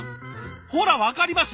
ほら分かります？